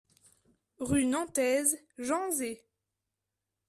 Rue Nantaise, Janzé